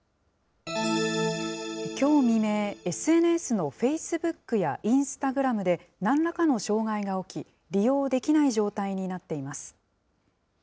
きょう未明、ＳＮＳのフェイスブックやインスタグラムでなんらかの障害が起き、利用できない状態になっています。